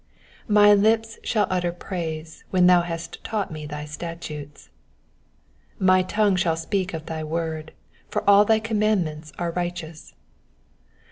171 My lips shall utter praise, when thou hast taught me thy statutes. 172 My tongue shall speak of thy word : for all thy com mandments are righteousness.